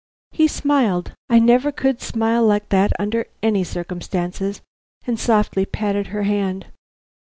He smiled I never could smile like that under any circumstances and softly patted her hand.